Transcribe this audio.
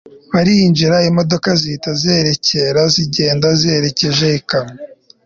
barinjira imodoka zihita zerekera zigenda ziherekeje ikamyo